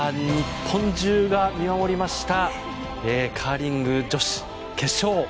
日本中が見守りましたカーリング女子決勝。